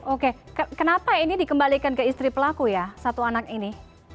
oke kenapa ini dikembalikan ke istri pelaku ya satu anak ini